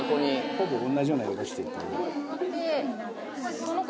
ほぼ同じような色してて。